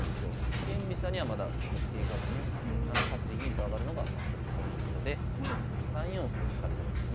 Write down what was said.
四間飛車にはまだ持っていかずに７八銀と上がるのが一つポイントで３四歩と突かれたときに。